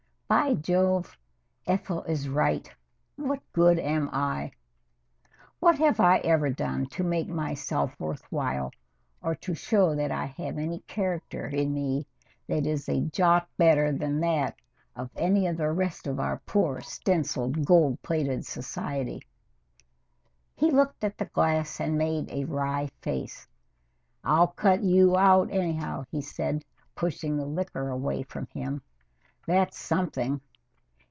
By Jove! Ethel is right. What good am I? What have I ever done to make myself worth while or to show that I have any character in me that is a jot better than that of any of the rest of our poor stenciled, gold plated society." He looked at the glass and made a wry face. "I'll cut you out anyhow," he said, pushing the liquor away from him. "That's something.